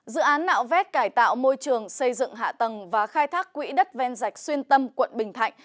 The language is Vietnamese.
dự án nạo vét cải tạo môi trường xây dựng hạ tầng và khai thác quỹ đất ven rạch xuyên tâm quận bình thạnh